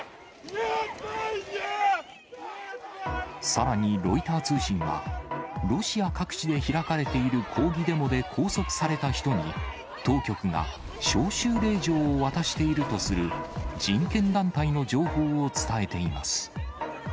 さらにロイター通信は、ロシア各地で開かれている抗議デモで拘束された人に、当局が招集令状を渡しているとする、人権団体の情報を伝えています。